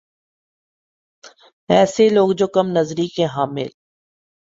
ایسے لوگ جو کم نظری کے حامل